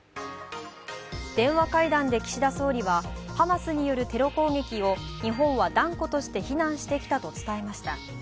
電話会談で岸田総理はハマスによるテロ攻撃を日本は断固として非難してきたと伝えました。